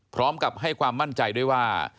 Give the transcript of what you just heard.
พร้อมกับให้ความมั่นใจด้วยว่า